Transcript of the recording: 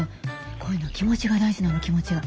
こういうのは気持ちが大事なの気持ちが。